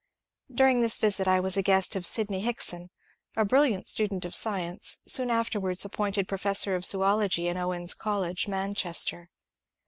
During this visit I was a guest of Sydney Hickson, a bril liant student of science, soon afterwards appointed professor of zoology in Owens College, Manchester.